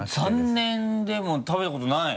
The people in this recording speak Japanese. ３年でも食べたことない？